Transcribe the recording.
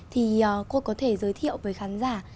thì cô có thể giới thiệu với khán giả